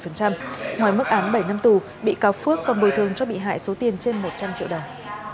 ngoài mức án bảy năm tù bị cáo phước còn bồi thương cho bị hại số tiền trên một trăm linh triệu đồng